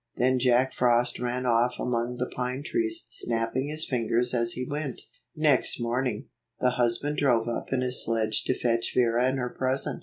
Then Jack Frost ran off among the pine trees, snapping his fingers as he went. Next morning, the husband drove up in his sledge to fetch Vera and her present.